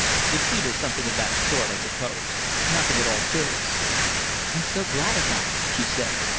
The heat, or something of that sort, I suppose. Nothing at all serious." "I'm so glad of that," she said.